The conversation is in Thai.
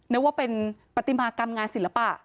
นึกว่าเป็นปฏิมากรรมงานศิลปะ